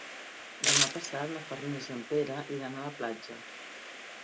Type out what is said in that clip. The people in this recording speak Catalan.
Demà passat na Farners i en Pere iran a la platja.